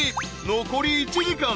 ［残り１時間。